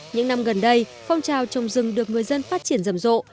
những năm gần đây phong trào trồng rừng được người dân phát triển rầm rộ